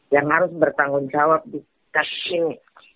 yang harus bertanggung jawab di kasing